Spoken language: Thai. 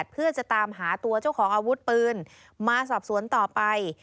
เพื่อจะตามหาตัวเจ้าของอาวุธปืนมาสอบสวนต่อไป